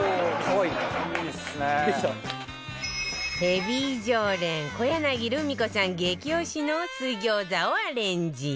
ヘビー常連小柳ルミ子さん激推しの水餃子をアレンジ